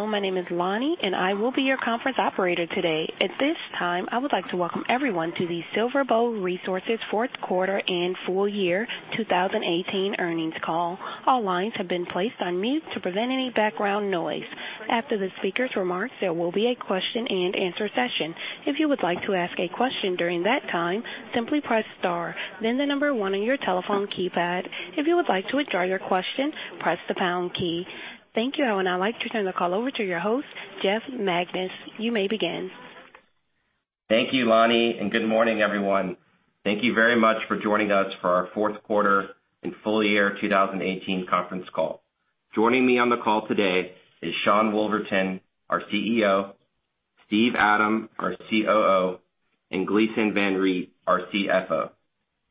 Hello, my name is Lonnie, and I will be your conference operator today. At this time, I would like to welcome everyone to the SilverBow Resources Q4 and full year 2018 earnings call. All lines have been placed on mute to prevent any background noise. After the speakers' remarks, there will be a question and answer session. If you would like to ask a question during that time, simply press star then the number one on your telephone keypad. If you would like to withdraw your question, press the pound key. Thank you. Now I'd like to turn the call over to your host, Jeff Magids. You may begin. Thank you, Lonnie, and good morning, everyone. Thank you very much for joining us for our Q4 and full year 2018 conference call. Joining me on the call today is Sean Woolverton, our CEO, Steve Adam, our COO, and Gleeson Van Riet, our CFO.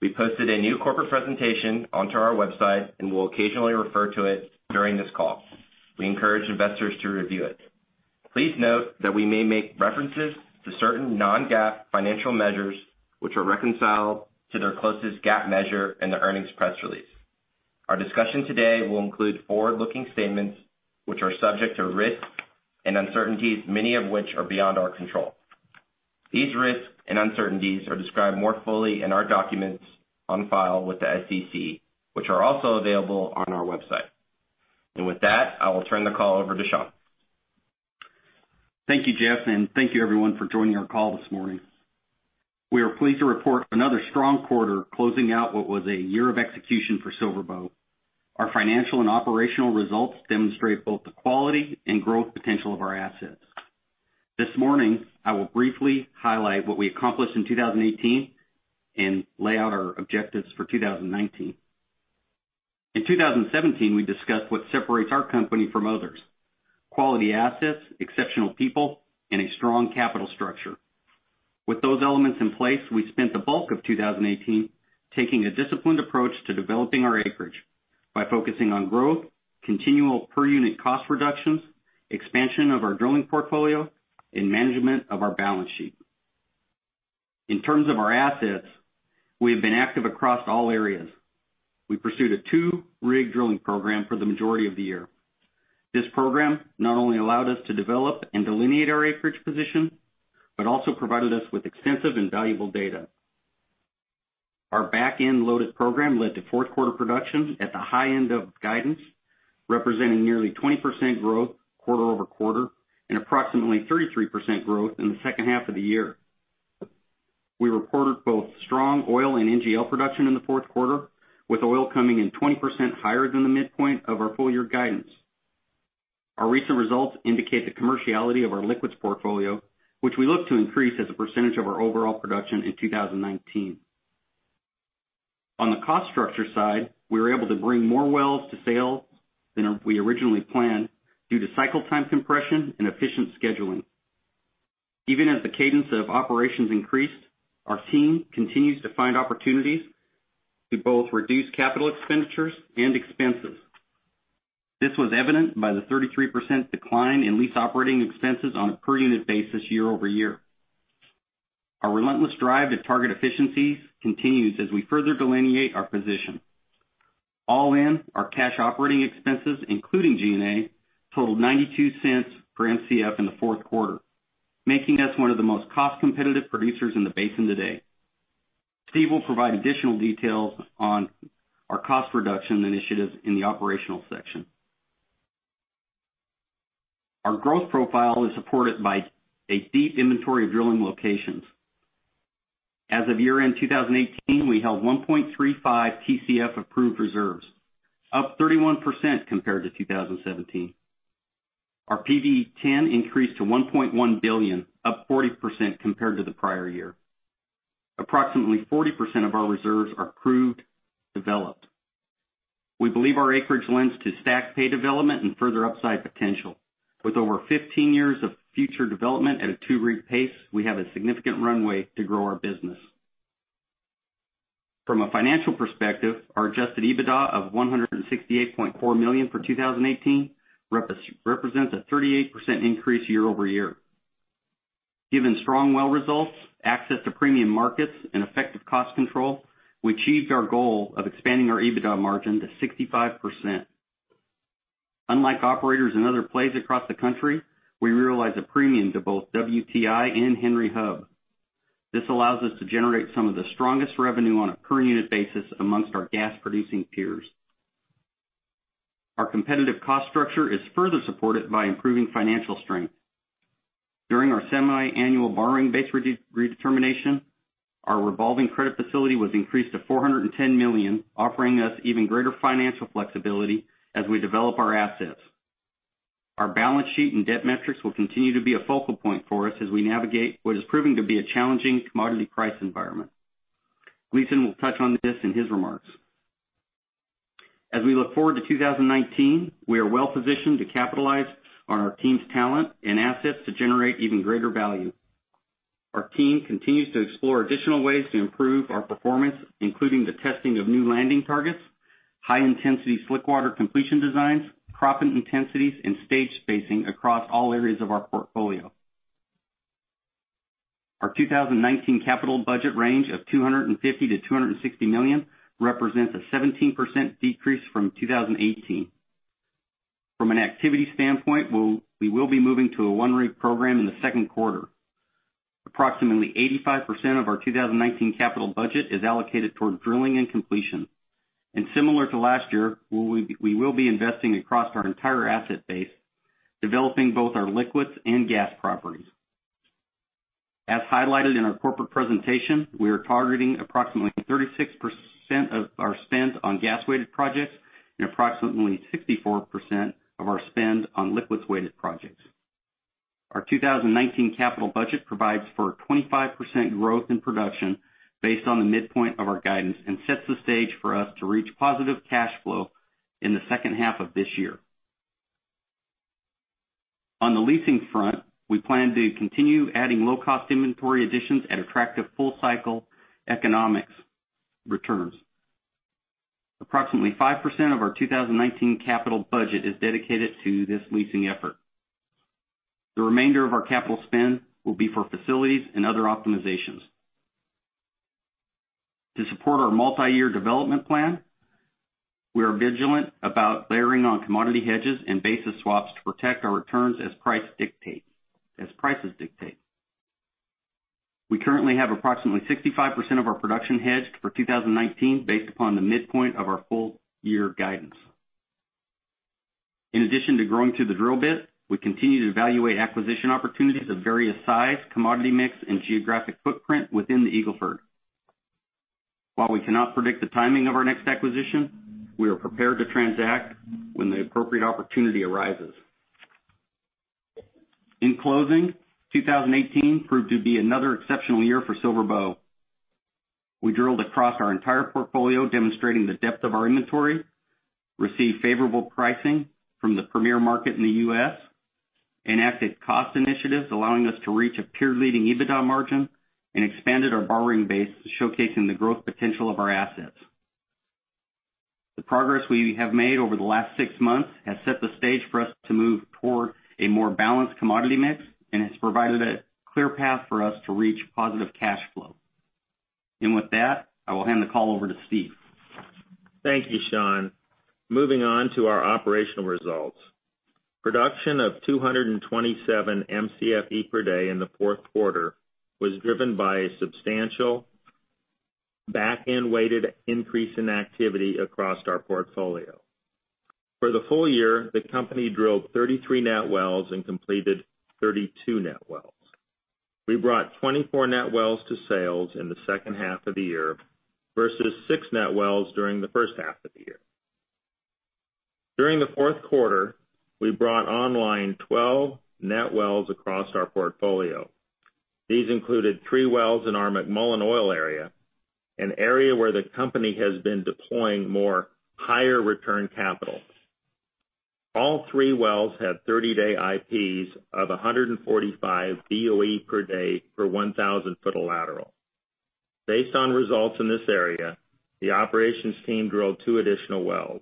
We posted a new corporate presentation onto our website and will occasionally refer to it during this call. We encourage investors to review it. Please note that we may make references to certain non-GAAP financial measures, which are reconciled to their closest GAAP measure in the earnings press release. Our discussion today will include forward-looking statements, which are subject to risks and uncertainties, many of which are beyond our control. These risks and uncertainties are described more fully in our documents on file with the SEC, which are also available on our website. With that, I will turn the call over to Sean. Thank you, Jeff, and thank you everyone for joining our call this morning. We are pleased to report another strong quarter closing out what was a year of execution for SilverBow. Our financial and operational results demonstrate both the quality and growth potential of our assets. This morning, I will briefly highlight what we accomplished in 2018 and lay out our objectives for 2019. In 2017, we discussed what separates our company from others, quality assets, exceptional people, and a strong capital structure. With those elements in place, we spent the bulk of 2018 taking a disciplined approach to developing our acreage by focusing on growth, continual per-unit cost reductions, expansion of our drilling portfolio, and management of our balance sheet. In terms of our assets, we have been active across all areas. We pursued a two-rig drilling program for the majority of the year. This program not only allowed us to develop and delineate our acreage position but also provided us with extensive and valuable data. Our back-end loaded program led to Q4 production at the high end of guidance, representing nearly 20% growth quarter-over-quarter and approximately 33% growth in the H2 of the year. We reported both strong oil and NGL production in the Q4, with oil coming in 20% higher than the midpoint of our full-year guidance. Our recent results indicate the commerciality of our liquids portfolio, which we look to increase as a percentage of our overall production in 2019. On the cost structure side, we were able to bring more wells to sale than we originally planned due to cycle time compression and efficient scheduling. Even as the cadence of operations increased, our team continues to find opportunities to both reduce capital expenditures and expenses. This was evident by the 33% decline in lease operating expenses on a per-unit basis year-over-year. Our relentless drive to target efficiencies continues as we further delineate our position. All in our cash operating expenses, including G&A, totaled $0.92 per Mcf in the Q4, making us one of the most cost-competitive producers in the basin today. Steve will provide additional details on our cost reduction initiatives in the operational section. Our growth profile is supported by a deep inventory of drilling locations. As of year-end 2018, we held 1.35 Tcf of proved reserves, up 31% compared to 2017. Our PV-10 increased to $1.1 billion, up 40% compared to the prior year. Approximately 40% of our reserves are proved developed. We believe our acreage lends to STACK pay development and further upside potential. With over 15 years of future development at a two-rig pace, we have a significant runway to grow our business. From a financial perspective, our adjusted EBITDA of $168.4 million for 2018 represents a 38% increase year-over-year. Given strong well results, access to premium markets, and effective cost control, we achieved our goal of expanding our EBITDA margin to 65%. Unlike operators in other plays across the country, we realize a premium to both WTI and Henry Hub. This allows us to generate some of the strongest revenue on a per-unit basis amongst our gas-producing peers. Our competitive cost structure is further supported by improving financial strength. During our semi-annual borrowing base redetermination, our revolving credit facility was increased to $410 million, offering us even greater financial flexibility as we develop our assets. Our balance sheet and debt metrics will continue to be a focal point for us as we navigate what is proving to be a challenging commodity price environment. Gleeson will touch on this in his remarks. As we look forward to 2019, we are well-positioned to capitalize on our team's talent and assets to generate even greater value. Our team continues to explore additional ways to improve our performance, including the testing of new landing targets, high-intensity slick water completion designs, proppant intensities, and stage spacing across all areas of our portfolio. Our 2019 capital budget range of $250 million-$260 million represents a 17% decrease from 2018. From an activity standpoint, we will be moving to a one rig program in the Q2. Approximately 85% of our 2019 capital budget is allocated towards drilling and completion. Similar to last year, we will be investing across our entire asset base, developing both our liquids and gas properties. As highlighted in our corporate presentation, we are targeting approximately 36% of our spend on gas-weighted projects and approximately 64% of our spend on liquids-weighted projects. Our 2019 capital budget provides for a 25% growth in production based on the midpoint of our guidance and sets the stage for us to reach positive cash flow in the H2 of this year. On the leasing front, we plan to continue adding low-cost inventory additions at attractive full-cycle economics returns. Approximately 5% of our 2019 capital budget is dedicated to this leasing effort. The remainder of our capital spend will be for facilities and other optimizations. To support our multi-year development plan, we are vigilant about layering on commodity hedges and basis swaps to protect our returns as prices dictate. We currently have approximately 65% of our production hedged for 2019 based upon the midpoint of our full-year guidance. In addition to growing through the drill bit, we continue to evaluate acquisition opportunities of various size, commodity mix, and geographic footprint within the Eagle Ford. While we cannot predict the timing of our next acquisition, we are prepared to transact when the appropriate opportunity arises. In closing, 2018 proved to be another exceptional year for SilverBow. We drilled across our entire portfolio demonstrating the depth of our inventory, received favorable pricing from the premier market in the U.S., enacted cost initiatives allowing us to reach a peer-leading EBITDA margin, and expanded our borrowing base showcasing the growth potential of our assets. The progress we have made over the last six months has set the stage for us to move toward a more balanced commodity mix, and it's provided a clear path for us to reach positive cash flow. With that, I will hand the call over to Steve. Thank you, Sean. Moving on to our operational results. Production of 227 Mcfe per day in the Q4 was driven by a substantial back-end-weighted increase in activity across our portfolio. For the full year, the company drilled 33 net wells and completed 32 net wells. We brought 24 net wells to sales in the H2 of the year versus six net wells during the H1 of the year. During the Q4, we brought online 12 net wells across our portfolio. These included three wells in our McMullen Oil area, an area where the company has been deploying more higher return capital. All three wells have 30-day IPs of 145 BOE per day per 1,000 foot of lateral. Based on results in this area, the operations team drilled two additional wells.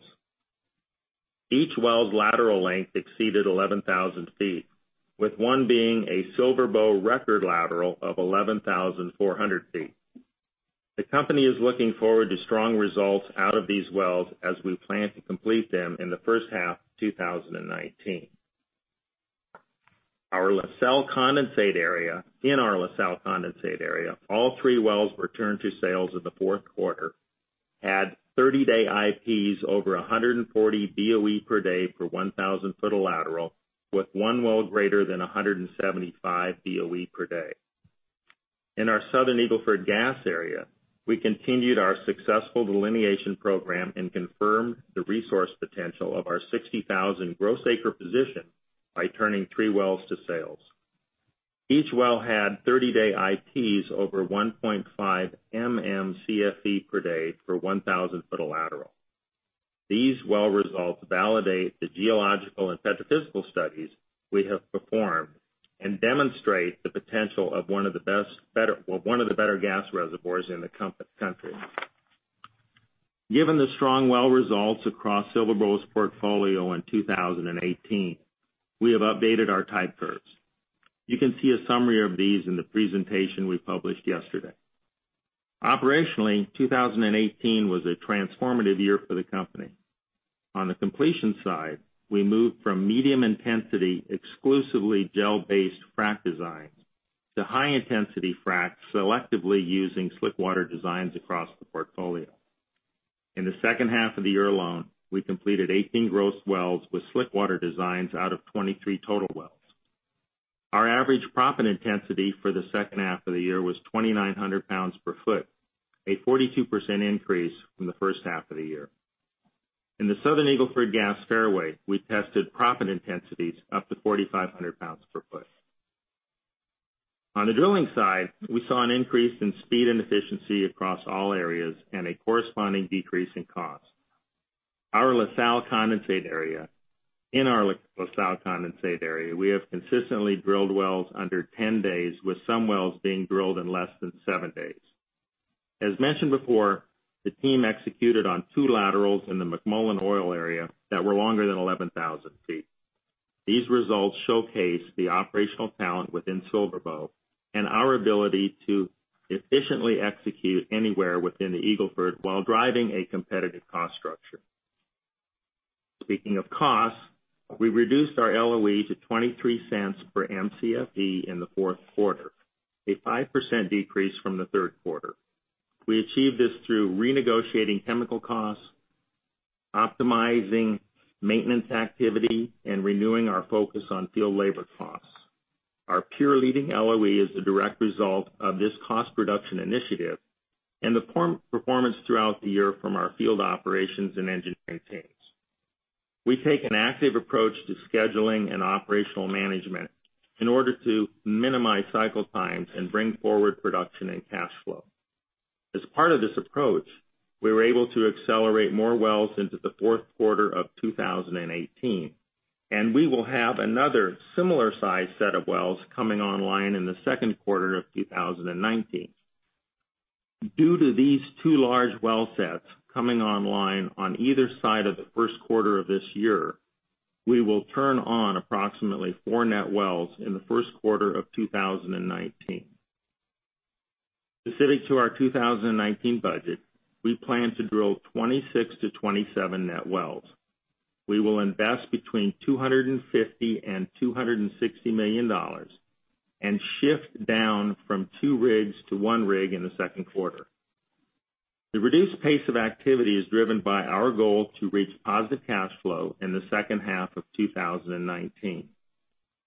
Each well's lateral length exceeded 11,000 feet, with one being a SilverBow record lateral of 11,400 feet. The company is looking forward to strong results out of these wells as we plan to complete them in the H1 of 2019. In our La Salle Condensate area, all three wells returned to sales in the Q4 had 30-day IPs over 140 BOE per day per 1,000 foot of lateral, with one well greater than 175 BOE per day. In our Southern Eagle Ford gas area, we continued our successful delineation program and confirmed the resource potential of our 60,000 gross acre position by turning three wells to sales. Each well had 30-day IPs over 1.5 MMcfd per day for 1,000 foot of lateral. These well results validate the geological and petrophysical studies we have performed and demonstrate the potential of one of the better gas reservoirs in the country. Given the strong well results across SilverBow's portfolio in 2018, we have updated our type curves. You can see a summary of these in the presentation we published yesterday. Operationally, 2018 was a transformative year for the company. On the completion side, we moved from medium-intensity, exclusively gel-based frac designs to high-intensity fracs selectively using slick water designs across the portfolio. In the H2 of the year alone, we completed 18 gross wells with slick water designs out of 23 total wells. Our average proppant intensity for the H2 of the year was 2,900 pounds per foot, a 42% increase from the H1 of the year. In the Southern Eagle Ford Gas fairway, we tested proppant intensities up to 4,500 pounds per foot. On the drilling side, we saw an increase in speed and efficiency across all areas and a corresponding decrease in cost. In our La Salle Condensate area, we have consistently drilled wells under 10 days, with some wells being drilled in less than seven days. As mentioned before, the team executed on two laterals in the McMullen Oil area that were longer than 11,000 feet. These results showcase the operational talent within SilverBow and our ability to efficiently execute anywhere within the Eagle Ford while driving a competitive cost structure. Speaking of costs, we reduced our LOE to $0.23 per Mcfe in the Q4, a 5% decrease from the Q3. We achieved this through renegotiating chemical costs, optimizing maintenance activity, and renewing our focus on field labor costs. Our peer-leading LOE is the direct result of this cost reduction initiative and the performance throughout the year from our field operations and engineering teams. We take an active approach to scheduling and operational management in order to minimize cycle times and bring forward production and cash flow. As part of this approach, we were able to accelerate more wells into the Q4 of 2018, and we will have another similar size set of wells coming online in the Q2 of 2019. Due to these two large well sets coming online on either side of the Q1 of this year, we will turn on approximately four net wells in the Q1 of 2019. Specific to our 2019 budget, we plan to drill 26-27 net wells. We will invest between $250 million and $260 million and shift down from two rigs to one rig in the Q2. The reduced pace of activity is driven by our goal to reach positive cash flow in the H2 of 2019.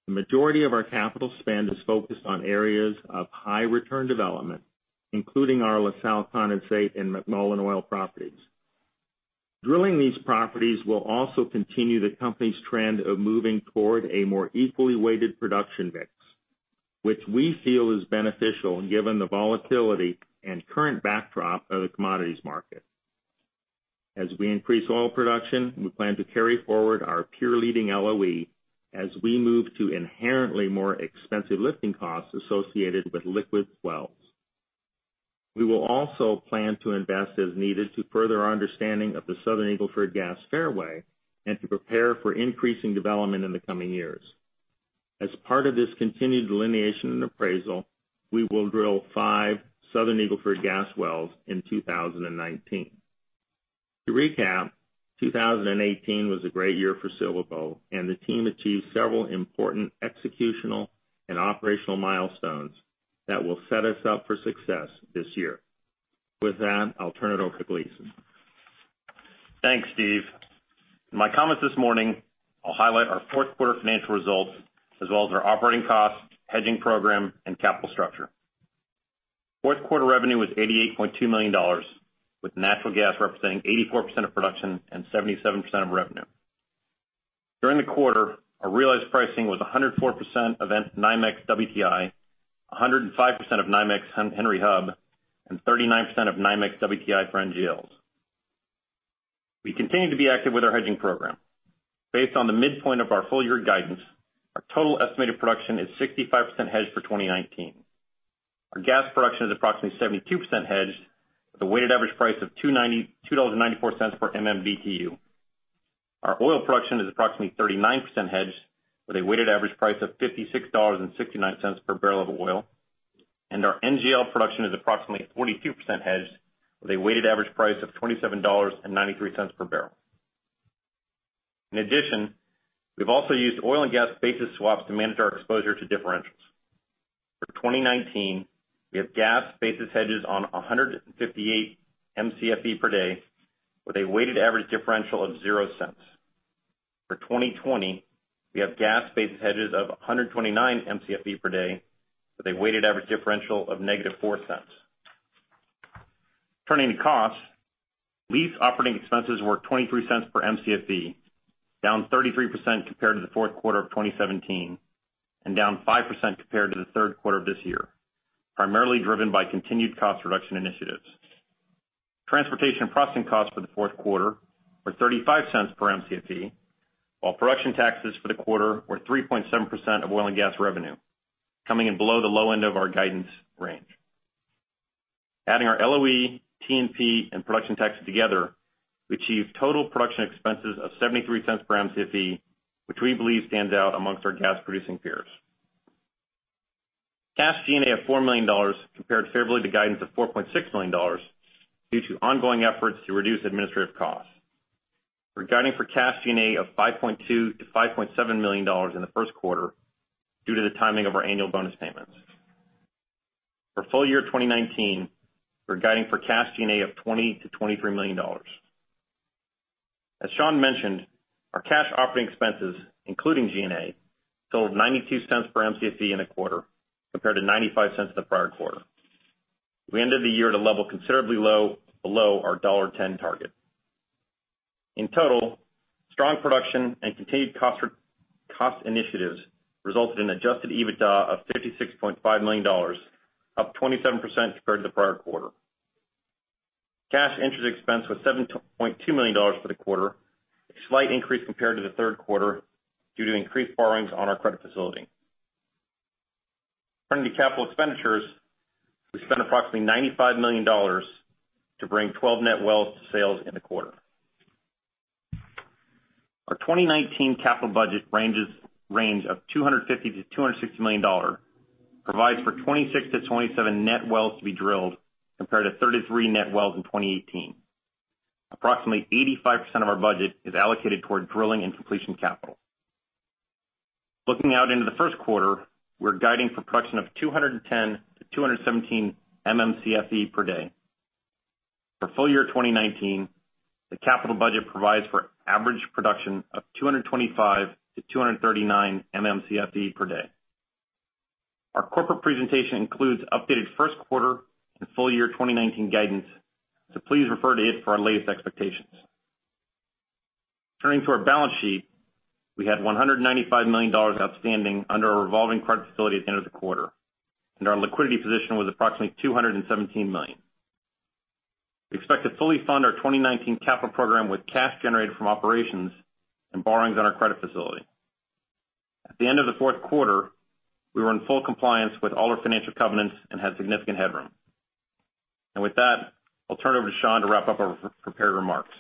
The majority of our capital spend is focused on areas of high return development, including our La Salle condensate and McMullen Oil properties. Drilling these properties will also continue the company's trend of moving toward a more equally weighted production mix, which we feel is beneficial given the volatility and current backdrop of the commodities market. As we increase oil production, we plan to carry forward our peer-leading LOE as we move to inherently more expensive lifting costs associated with liquid wells. We will also plan to invest as needed to further our understanding of the Southern Eagle Ford Gas Fairway and to prepare for increasing development in the coming years. As part of this continued delineation and appraisal, we will drill five Southern Eagle Ford gas wells in 2019. To recap, 2018 was a great year for SilverBow, the team achieved several important executional and operational milestones that will set us up for success this year. With that, I'll turn it over to Gleeson. Thanks, Steve. In my comments this morning, I'll highlight our Q4 financial results as well as our operating costs, hedging program, and capital structure. Q4 revenue was $88.2 million, with natural gas representing 84% of production and 77% of revenue. During the quarter, our realized pricing was 104% of NYMEX WTI, 105% of NYMEX Henry Hub, and 39% of NYMEX WTI for NGLs. We continue to be active with our hedging program. Based on the midpoint of our full-year guidance, our total estimated production is 65% hedged for 2019. Our gas production is approximately 72% hedged with a weighted average price of $2.94 per MMBtu. Our oil production is approximately 39% hedged with a weighted average price of $56.69 per barrel of oil, and our NGL production is approximately 42% hedged with a weighted average price of $27.93 per barrel. In addition, we've also used oil and gas basis swaps to manage our exposure to differentials. For 2019, we have gas basis hedges on 158 Mcfe per day with a weighted average differential of $0.00. For 2020, we have gas basis hedges of 129 Mcfe per day with a weighted average differential of -$0.04. Turning to costs, lease operating expenses were $0.23 per Mcfe, down 33% compared to the Q4 of 2017, and down 5% compared to the Q3 of this year, primarily driven by continued cost reduction initiatives. Transportation and processing costs for the Q4 were $0.35 per Mcfe, while production taxes for the quarter were 3.7% of oil and gas revenue, coming in below the low end of our guidance range. Adding our LOE, T&P, and production taxes together, we achieved total production expenses of $0.73 per Mcfe, which we believe stands out amongst our gas-producing peers. Cash G&A of $4 million compared favorably to guidance of $4.6 million due to ongoing efforts to reduce administrative costs. We're guiding for cash G&A of $5.2 million-$5.7 million in the Q1 due to the timing of our annual bonus payments. For full year 2019, we're guiding for cash G&A of $20 million-$23 million. As Sean mentioned, our cash operating expenses, including G&A, totaled $0.92 per Mcfe in the quarter compared to $0.95 the prior quarter. We ended the year at a level considerably low below our $1.10 target. In total, strong production and continued cost initiatives resulted in adjusted EBITDA of $56.5 million, up 27% compared to the prior quarter. Cash interest expense was $7.2 million for the quarter, a slight increase compared to the Q3 due to increased borrowings on our credit facility. Turning to capital expenditures, we spent approximately $95 million to bring 12 net wells to sales in the quarter. Our 2019 capital budget range of $250 million-$260 million provides for 26-27 net wells to be drilled, compared to 33 net wells in 2018. Approximately 85% of our budget is allocated toward drilling and completion capital. Looking out into the Q1, we're guiding for production of 210-217 MMcfe per day. For full year 2019, the capital budget provides for average production of 225-239 MMcfe per day. Our corporate presentation includes updated Q1 and full year 2019 guidance. Please refer to it for our latest expectations. Turning to our balance sheet, we had $195 million outstanding under our revolving credit facility at the end of the quarter, and our liquidity position was approximately $217 million. We expect to fully fund our 2019 capital program with cash generated from operations and borrowings on our credit facility. At the end of the Q4, we were in full compliance with all our financial covenants and had significant headroom. With that, I'll turn it over to Sean to wrap up our prepared remarks.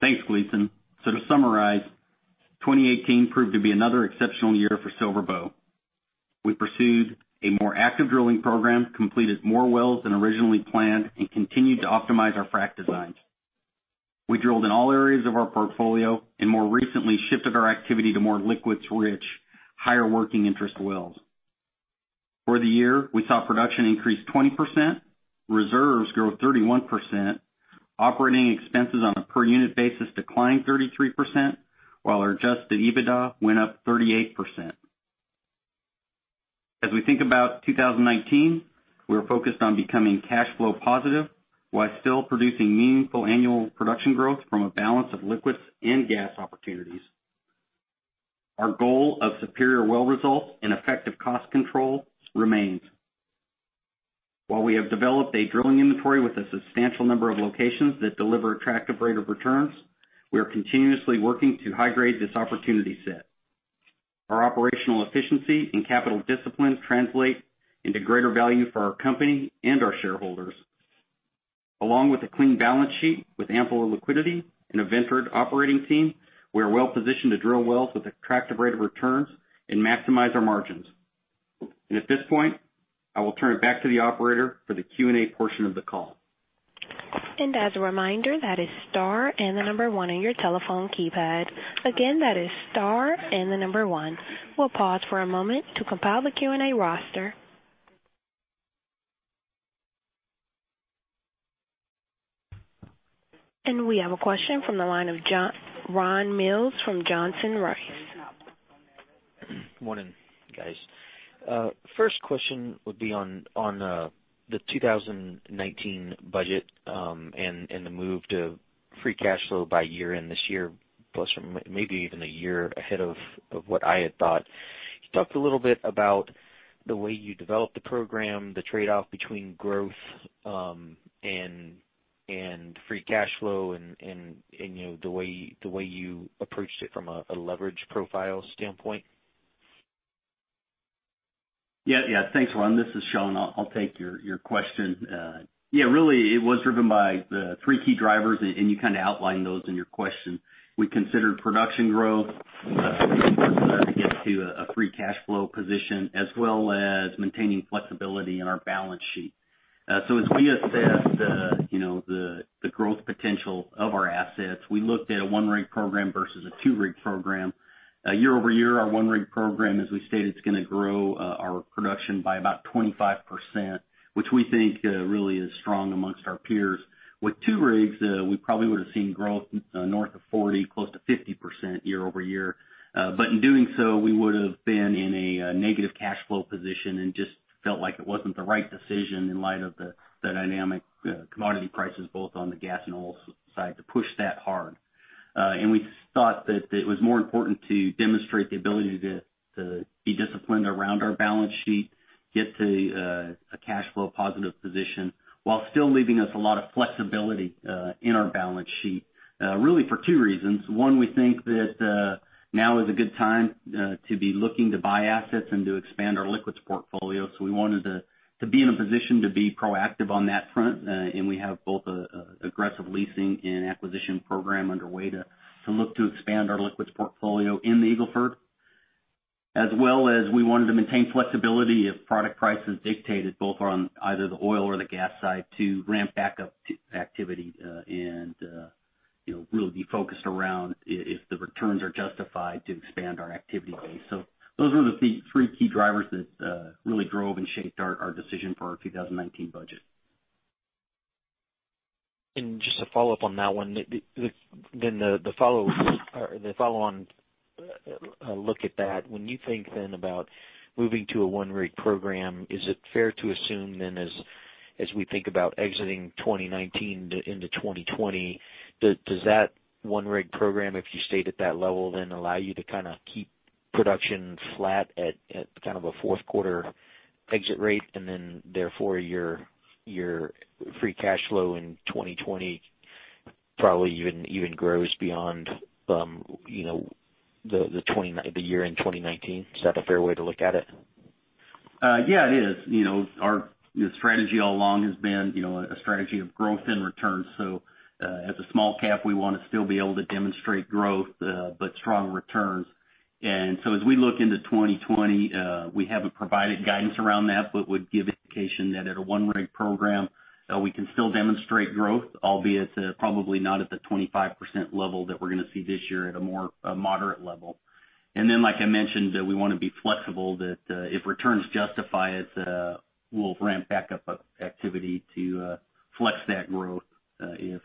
Thanks, Gleeson. To summarize, 2018 proved to be another exceptional year for SilverBow. We pursued a more active drilling program, completed more wells than originally planned, and continued to optimize our frack designs. We drilled in all areas of our portfolio, and more recently, shifted our activity to more liquids-rich, higher working interest wells. For the year, we saw production increase 20%, reserves grow 31%, operating expenses on a per unit basis decline 33%, while our adjusted EBITDA went up 38%. As we think about 2019, we are focused on becoming cash flow positive while still producing meaningful annual production growth from a balance of liquids and gas opportunities. Our goal of superior well results and effective cost control remains. While we have developed a drilling inventory with a substantial number of locations that deliver attractive rate of returns, we are continuously working to high-grade this opportunity set. Our operational efficiency and capital discipline translate into greater value for our company and our shareholders. Along with a clean balance sheet with ample liquidity and a ventured operating team, we are well positioned to drill wells with attractive rate of returns and maximize our margins. At this point, I will turn it back to the operator for the Q&A portion of the call. As a reminder, that is star and the number one on your telephone keypad. Again, that is star and the number one. We'll pause for a moment to compile the Q&A roster. We have a question from the line of Ron Mills from Johnson Rice. Morning, guys. First question would be on the 2019 budget, the move to free cash flow by year-end this year, plus maybe even a year ahead of what I had thought. Can you talk a little bit about the way you developed the program, the trade-off between growth and free cash flow and the way you approached it from a leverage profile standpoint? Yeah. Thanks, Ron. This is Sean. I'll take your question. Really, it was driven by the three key drivers, you kind of outlined those in your question. We considered production growth, the importance of that to get to a free cash flow position, as well as maintaining flexibility in our balance sheet. As we assessed the growth potential of our assets, we looked at a one-rig program versus a two-rig program. Year-over-year, our one-rig program, as we stated, is going to grow our production by about 25%, which we think really is strong amongst our peers. With two rigs, we probably would've seen growth north of 40%, close to 50% year-over-year. In doing so, we would've been in a negative cash flow position and just felt like it wasn't the right decision in light of the dynamic commodity prices, both on the gas and oil side, to push that hard. We thought that it was more important to demonstrate the ability to be disciplined around our balance sheet, get to a cash flow positive position while still leaving us a lot of flexibility in our balance sheet. Really for two reasons. One, we think that now is a good time to be looking to buy assets and to expand our liquids portfolio. We wanted to be in a position to be proactive on that front. We have both aggressive leasing and acquisition program underway to look to expand our liquids portfolio in the Eagle Ford, as well as we wanted to maintain flexibility if product prices dictated, both on either the oil or the gas side, to ramp back up activity. We'll be focused around if the returns are justified to expand our activity base. Those are the three key drivers that really drove and shaped our decision for our 2019 budget. Just to follow up on that one, then the follow-on look at that. When you think then about moving to a one-rig program, is it fair to assume then as we think about exiting 2019 into 2020, does that one-rig program, if you stayed at that level, then allow you to kind of keep production flat at kind of a Q4 exit rate, and then therefore your free cash flow in 2020 probably even grows beyond the year end 2019. Is that a fair way to look at it? Yeah, it is. Our strategy all along has been a strategy of growth and return. As a small cap, we want to still be able to demonstrate growth, but strong returns. As we look into 2020, we haven't provided guidance around that, but would give indication that at a one rig program, we can still demonstrate growth, albeit probably not at the 25% level that we're going to see this year, at a more moderate level. Then, like I mentioned, we want to be flexible that, if returns justify it, we'll ramp back up activity to flex that growth, if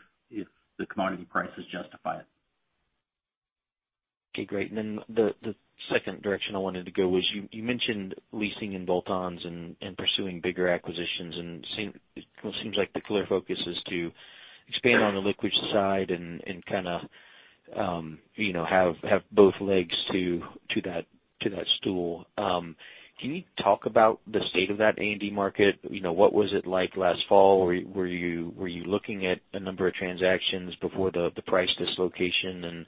the commodity prices justify it. Okay, great. The second direction I wanted to go was you mentioned leasing and bolt-ons and pursuing bigger acquisitions, and it seems like the clear focus is to expand on the liquids side and have both legs to that stool. Can you talk about the state of that A&D market? What was it like last fall? Were you looking at a number of transactions before the price dislocation?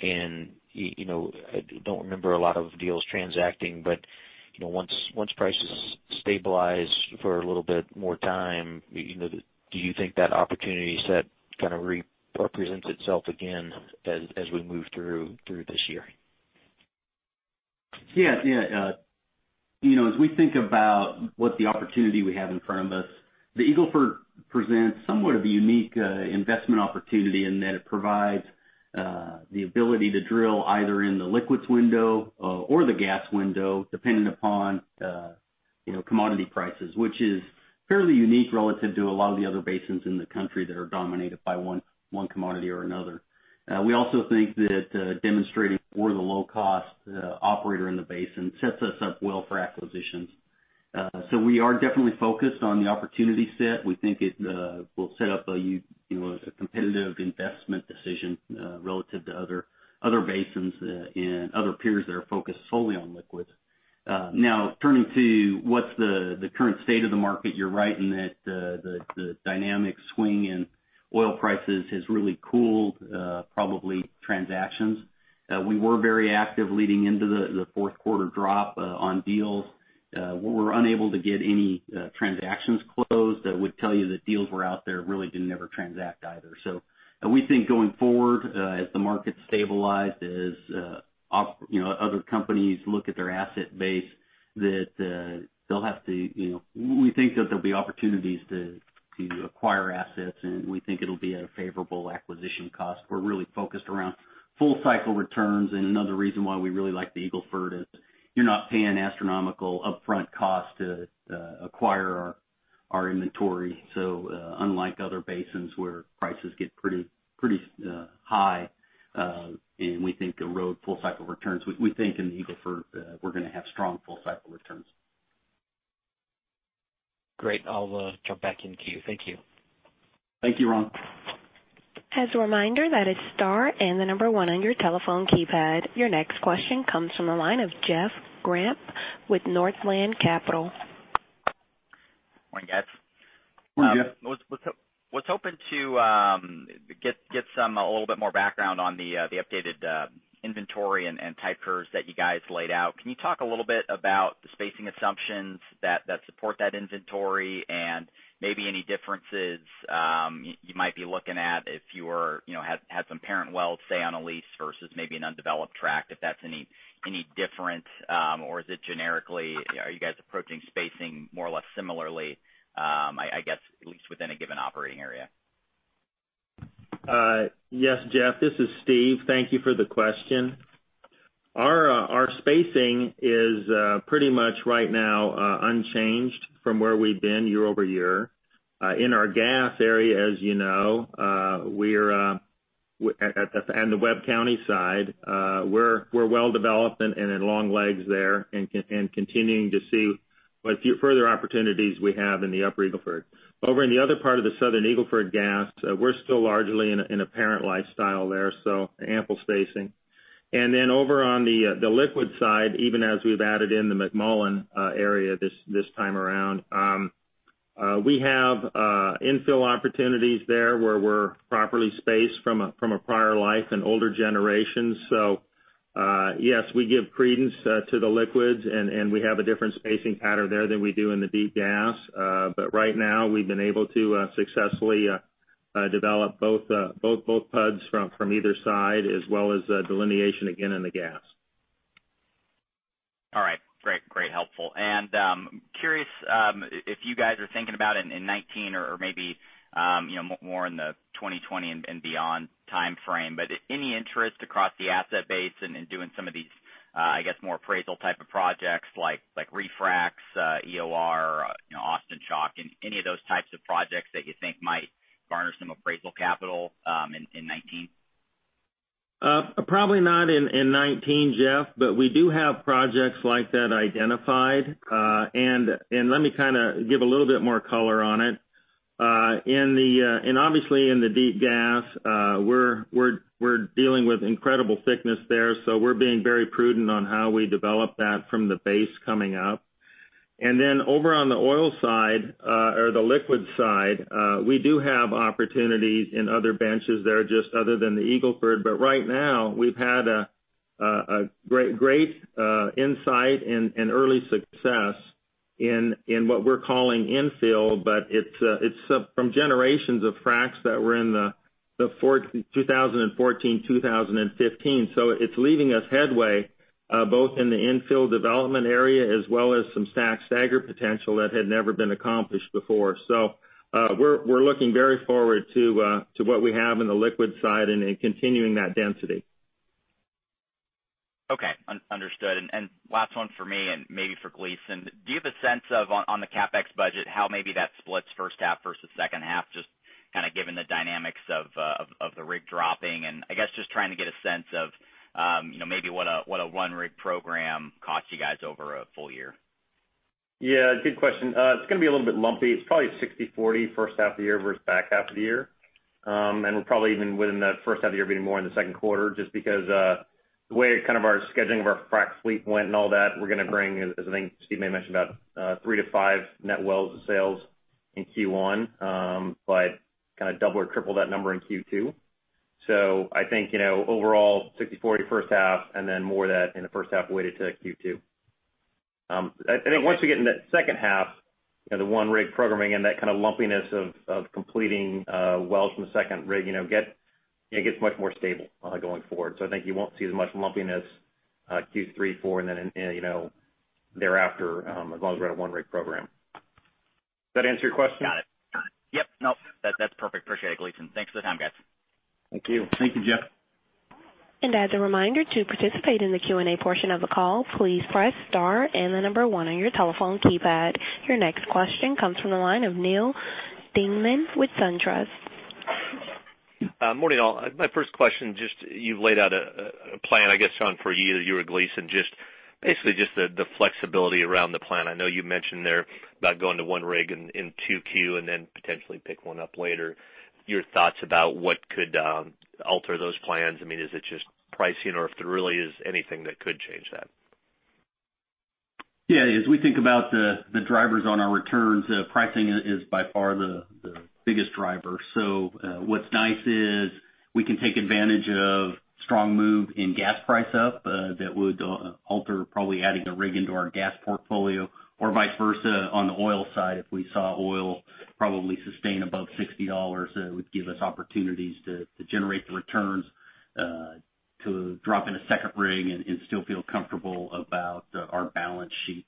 I don't remember a lot of deals transacting, but once prices stabilize for a little bit more time, do you think that opportunity set kind of represents itself again as we move through this year? Yeah. As we think about what the opportunity we have in front of us, the Eagle Ford presents somewhat of a unique investment opportunity in that it provides the ability to drill either in the liquids window or the gas window, depending upon commodity prices, which is fairly unique relative to a lot of the other basins in the country that are dominated by one commodity or another. We also think that demonstrating we're the low cost operator in the basin sets us up well for acquisitions. We are definitely focused on the opportunity set. We think it will set up a competitive investment decision relative to other basins and other peers that are focused solely on liquids. Turning to what's the current state of the market, you're right in that the dynamic swing in oil prices has really cooled, probably transactions. We were very active leading into the Q4 drop on deals. We were unable to get any transactions closed. I would tell you that deals were out there really didn't ever transact either. We think going forward, as the market stabilize, as other companies look at their asset base, we think that there'll be opportunities to acquire assets, and we think it'll be at a favorable acquisition cost. We're really focused around full cycle returns, and another reason why we really like the Eagle Ford is you're not paying astronomical upfront costs to acquire our inventory. Unlike other basins where prices get pretty high, and we think erode full cycle returns, we think in the Eagle Ford, we're going to have strong full cycle returns. Great. I'll jump back into you. Thank you. Thank you, Ron. As a reminder, that is star and the number one on your telephone keypad. Your next question comes from the line of Jeff Grampp with Northland Capital. Morning, guys. Morning, Jeff. was hoping to get a little bit more background on the updated inventory and type curves that you guys laid out. Can you talk a little bit about the spacing assumptions that support that inventory and maybe any differences you might be looking at if you had some parent wells, say, on a lease versus maybe an undeveloped tract, if that's any different? Is it generically, are you guys approaching spacing more or less similarly, I guess at least within a given operating area? Yes, Jeff, this is Steve. Thank you for the question. Our spacing is pretty much right now unchanged from where we've been year-over-year. In our gas area as you know, and the Webb County side, we're well developed and in long legs there, and continuing to see what further opportunities we have in the upper Eagle Ford. Over in the other part of the southern Eagle Ford gas, we're still largely in a parent lifestyle there, so ample spacing. Over on the liquids side, even as we've added in the McMullen area this time around, we have infill opportunities there where we're properly spaced from a prior life and older generations. Yes, we give credence to the liquids, and we have a different spacing pattern there than we do in the deep gas. Right now we've been able to successfully develop both PUDs from either side as well as delineation again in the gas. All right. Great. Helpful. Curious if you guys are thinking about it in 2019 or maybe more in the 2020 and beyond timeframe. Any interest across the asset base in doing some of these, I guess, more appraisal type of projects like refracs, EOR, Austin Chalk, and any of those types of projects that you think might garner some appraisal capital in 2019? Probably not in 2019, Jeff, but we do have projects like that identified. Let me give a little bit more color on it. Obviously in the deep gas, we're dealing with incredible thickness there, so we're being very prudent on how we develop that from the base coming up. Over on the oil side, or the liquids side, we do have opportunities in other benches there just other than the Eagle Ford. Right now, we've had a great insight and early success in what we're calling infill, but it's from generations of fracs that were in 2014, 2015. It's leaving us headway, both in the infill development area as well as some STACK stagger potential that had never been accomplished before. We're looking very forward to what we have in the liquids side and in continuing that density. Okay. Understood. Last one for me and maybe for Gleeson. Do you have a sense of, on the CapEx budget, how maybe that splits H1 versus H2, just kind of given the dynamics of the rig dropping? I guess just trying to get a sense of maybe what a one rig program costs you guys over a full year. Yeah, good question. It's going to be a little bit lumpy. It's probably 60/40 H1 of the year versus back half of the year. We're probably even within that H1 of the year being more in the Q2 just because, the way our scheduling of our frac fleet went and all that, we're going to bring, as I think Steve may have mentioned, about three to five net wells of sales in Q1. Kind of double or triple that number in Q2. I think, overall 60/40 H1, more of that in the H1 weighted to Q2. I think once we get into that H2, the one rig programming and that kind of lumpiness of completing wells from the second rig, it gets much more stable going forward. I think you won't see as much lumpiness, Q3, four, thereafter, as long as we're at a one rig program. Does that answer your question? Got it. Yep. No, that's perfect. Appreciate it, Gleeson. Thanks for the time, guys. Thank you. Thank you, Jeff. As a reminder, to participate in the Q&A portion of the call, please press star and the number one on your telephone keypad. Your next question comes from the line of Neal Dingmann with SunTrust. Morning, all. My first question, you've laid out a plan, I guess, Sean, for you or Gleason, basically the flexibility around the plan. I know you mentioned there about going to one rig in Q2 and then potentially pick one up later. Your thoughts about what could alter those plans? Is it just pricing or if there really is anything that could change that? Yeah, as we think about the drivers on our returns, pricing is by far the biggest driver. What's nice is we can take advantage of strong move in gas price up that would alter probably adding a rig into our gas portfolio or vice versa on the oil side. If we saw oil probably sustain above $60, it would give us opportunities to generate the returns to drop in a second rig and still feel comfortable about our balance sheet.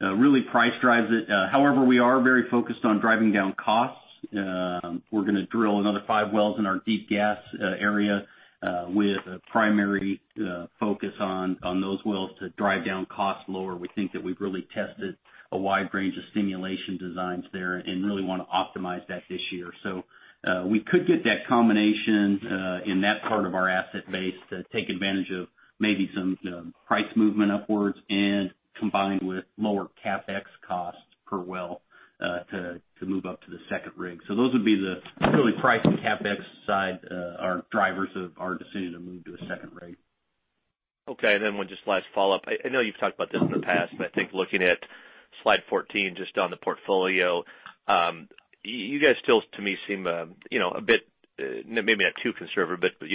Really price drives it. However, we are very focused on driving down costs. We're going to drill another five wells in our deep gas area with a primary focus on those wells to drive down costs lower. We think that we've really tested a wide range of stimulation designs there and really want to optimize that this year. We could get that combination in that part of our asset base to take advantage of maybe some price movement upwards and combined with lower CapEx costs per well to move up to the second rig. Those would be the really price and CapEx side are drivers of our decision to move to a second rig. Okay, last follow-up. I know you've talked about this in the past, but I think looking at slide 14, on the portfolio. You guys still to me seem maybe not too conservative, but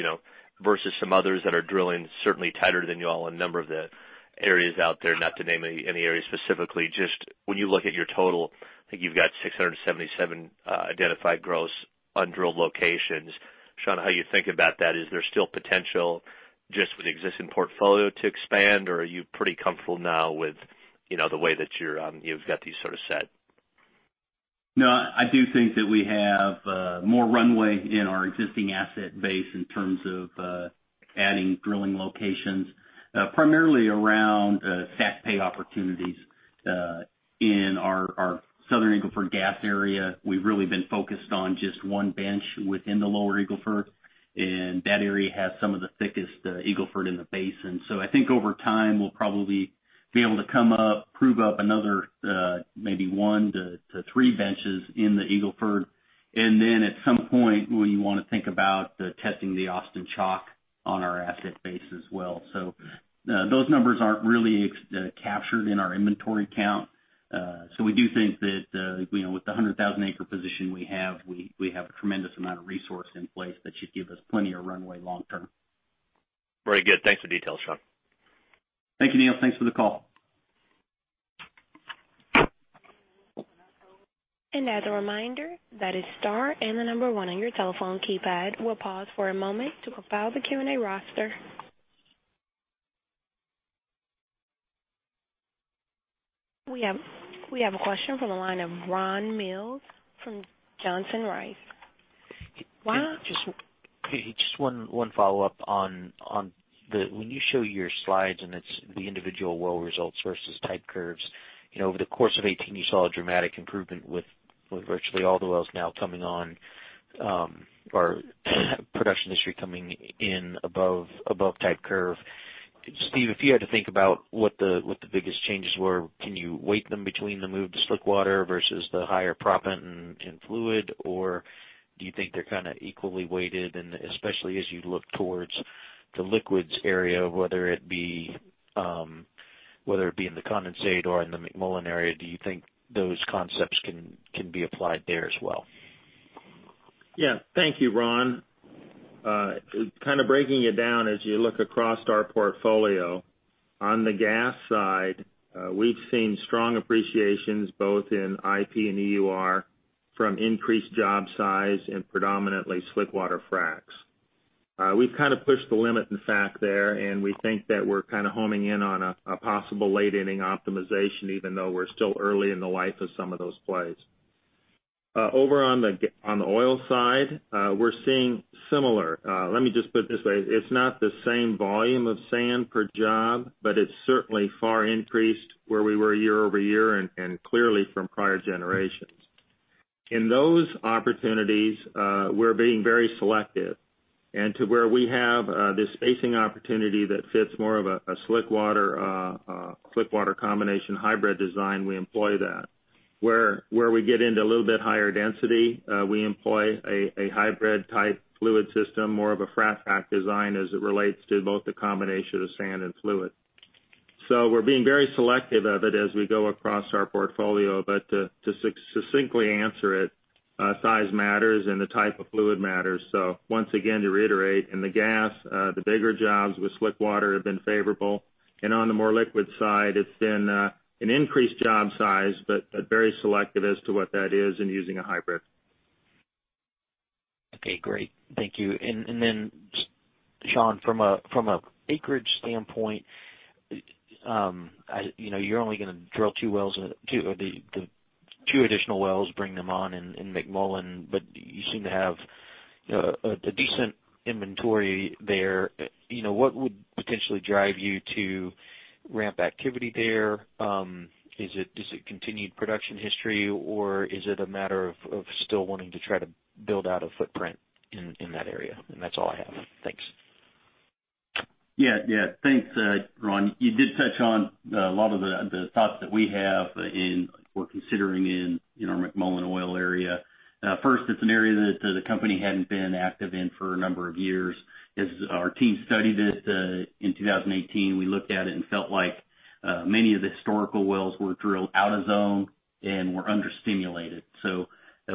versus some others that are drilling certainly tighter than you all in a number of the areas out there. Not to name any area specifically, when you look at your total, I think you've got 677 identified gross undrilled locations. Sean, how you think about that? Is there still potential with the existing portfolio to expand, or are you pretty comfortable now with the way that you've got these sort of set? I do think that we have more runway in our existing asset base in terms of adding drilling locations. Primarily around STACK pay opportunities in our southern Eagle Ford gas area. We've really been focused on just one bench within the lower Eagle Ford, and that area has some of the thickest Eagle Ford in the basin. I think over time, we'll probably be able to come up, prove up another maybe one to three benches in the Eagle Ford. Then at some point, we want to think about testing the Austin Chalk on our asset base as well. Those numbers aren't really captured in our inventory count. We do think that with the 100,000-acre position we have, we have a tremendous amount of resource in place that should give us plenty of runway long term. Very good. Thanks for the details, Sean. Thank you, Neal. Thanks for the call. As a reminder, that is star and the number one on your telephone keypad. We'll pause for a moment to compile the Q&A roster. We have a question from the line of Ron Mills from Johnson Rice. Ron? Just one follow-up on the when you show your slides and it's the individual well results versus type curves. Over the course of 2018, you saw a dramatic improvement with virtually all the wells now coming on, or production history coming in above type curve. Steve, if you had to think about what the biggest changes were, can you weight them between the move to slick water versus the higher proppant and fluid, or do you think they're kind of equally weighted and especially as you look towards the liquids area, whether it be in the condensate or in the McMullen area, do you think those concepts can be applied there as well? Thank you, Ron. Kind of breaking it down as you look across our portfolio. On the gas side, we've seen strong appreciations both in IP and EUR from increased job size and predominantly slick water fracs. We've kind of pushed the limit, in fact, there, and we think that we're kind of homing in on a possible late inning optimization, even though we're still early in the life of some of those plays. Over on the oil side, we're seeing similar. Let me just put it this way, it's not the same volume of sand per job, but it's certainly far increased where we were year-over-year and clearly from prior generations. In those opportunities, we're being very selective. To where we have this spacing opportunity that fits more of a slick water combination hybrid design, we employ that. Where we get into a little bit higher density, we employ a hybrid type fluid system, more of a frac design as it relates to both the combination of sand and fluid. We're being very selective of it as we go across our portfolio. To succinctly answer it, size matters and the type of fluid matters. Once again, to reiterate, in the gas, the bigger jobs with slick water have been favorable. On the more liquid side, it's been an increased job size but very selective as to what that is and using a hybrid. Okay, great. Thank you. Sean, from acreage standpoint, you're only going to drill two additional wells, bring them on in McMullen, but you seem to have a decent inventory there. What would potentially drive you to ramp activity there? Is it continued production history, or is it a matter of still wanting to try to build out a footprint in that area? That's all I have. Thanks. Thanks, Ron. You did touch on a lot of the thoughts that we have in what we're considering in our McMullen oil area. First, it's an area that the company hadn't been active in for a number of years. As our team studied it in 2018, we looked at it and felt like many of the historical wells were drilled out of zone and were under-stimulated.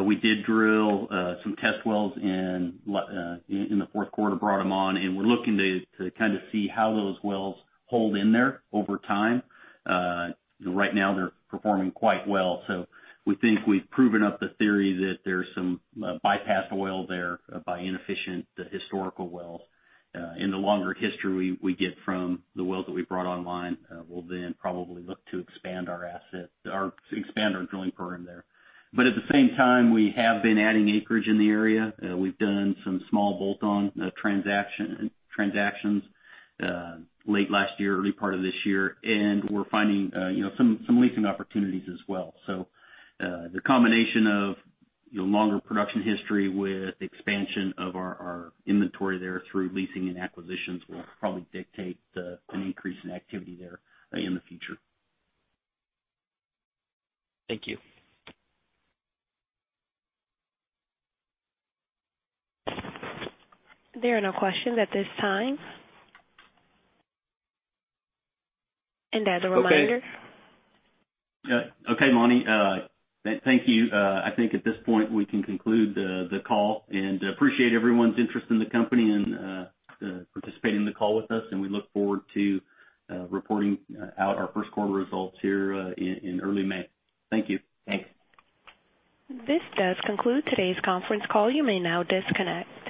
We did drill some test wells in the Q4, brought them on, and we're looking to kind of see how those wells hold in there over time. Right now, they're performing quite well. We think we've proven up the theory that there's some bypassed oil there by inefficient historical wells. In the longer history we get from the wells that we brought online, we'll then probably look to expand our drilling program there. At the same time, we have been adding acreage in the area. We've done some small bolt-on transactions late last year, early part of this year, and we're finding some leasing opportunities as well. The combination of longer production history with expansion of our inventory there through leasing and acquisitions will probably dictate an increase in activity there in the future. Thank you. There are no questions at this time. As a reminder. Okay, Lonnie. Thank you. I think at this point, we can conclude the call and appreciate everyone's interest in the company and participating in the call with us, and we look forward to reporting out our Q1 results here in early May. Thank you. Thanks. This does conclude today's conference call. You may now disconnect.